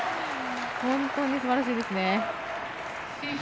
本当にすばらしいですね。